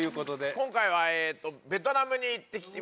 今回はベトナムに行ってきました。